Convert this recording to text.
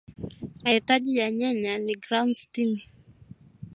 mahitaji ya nyanya ni gram sitini